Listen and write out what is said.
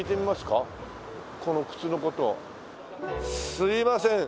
すいません。